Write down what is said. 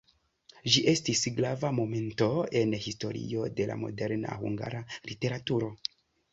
Ĝi estis grava momento en historio de la moderna hungara literaturo.